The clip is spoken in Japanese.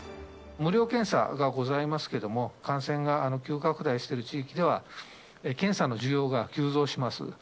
無料検査がございますけれども、感染が急拡大している地域では、検査の需要が急増します。